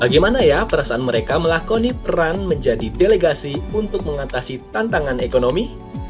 bagaimana ya perasaan mereka melakoni peran menjadi delegasi untuk mengatasi tantangan ekonomi